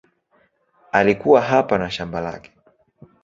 Alikuwa hapa na shamba lake.